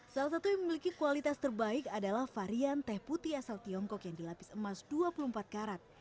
salah satu yang memiliki kualitas terbaik adalah varian teh putih asal tiongkok yang dilapis emas dua puluh empat karat